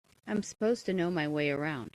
I'm supposed to know my way around.